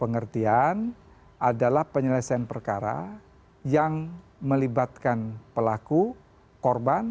sebenarnya restoratif justice adalah penyelesaian perkara yang melibatkan pelaku korban